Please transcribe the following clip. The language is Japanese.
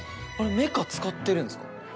メカ使ってるんですか。